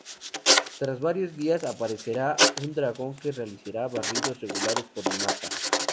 Tras varios días, aparecerá un dragón que realizará barridos regulares por el mapa.